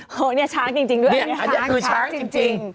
โอ้โฮช้างจริงด้วยช้างจริง